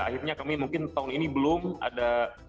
akhirnya kami mungkin tahun ini belum ada